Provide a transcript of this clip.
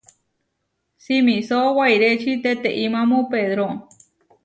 Simisó wairéči teteimámu pedro.